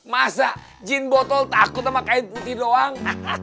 masa jin botol takut sama kain putih doang